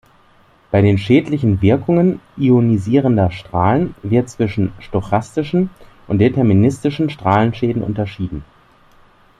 Bei den schädlichen Wirkungen ionisierender Strahlen wird zwischen stochastischen und deterministischen Strahlenschäden unterschieden.